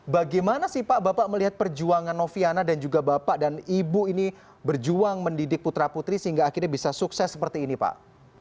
bagaimana sih pak bapak melihat perjuangan noviana dan juga bapak dan ibu ini berjuang mendidik putra putri sehingga akhirnya bisa sukses seperti ini pak